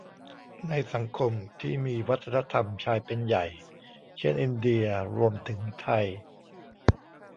ในสังคมที่มีวัฒนธรรมชายเป็นใหญ่ เช่น อินเดีย รวมถึงไทย